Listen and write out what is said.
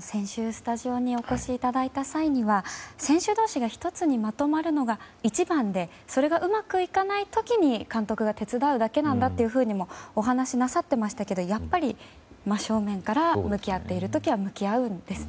先週、スタジオにお越しいただいた際には選手同士が１つにまとまるのが一番でそれがうまくいかない時に監督が手伝うだけなんだとお話しなさっていましたがやっぱり真正面から向き合っている時は向き合うんですね。